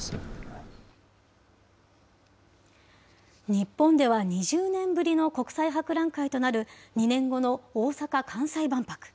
日本では２０年ぶりの国際博覧会となる、２年後の大阪・関西万博。